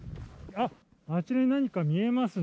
あちらに何か見えますね。